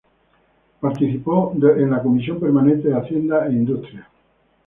Participó de la comisión permanente de Hacienda e Industrias.